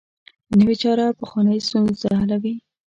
نوې چاره پخوانۍ ستونزه حلوي